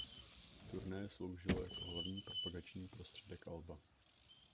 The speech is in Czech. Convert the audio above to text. Turné sloužilo jako hlavní propagační prostředek alba.